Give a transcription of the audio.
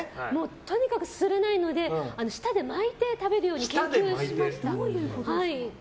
とにかくすすれないので舌で巻いて食べるように研究しました。